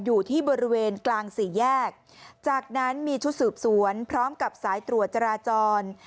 อยู่ที่บริเวณกลางสี่แยกจากนั้นมีชุดสืบสวนพร้อมกับสายตรวจจราจร